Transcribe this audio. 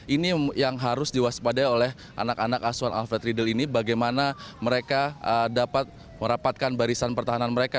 ini yang harus diwaspadai oleh anak anak asuhan alfred riedel ini bagaimana mereka dapat merapatkan barisan pertahanan mereka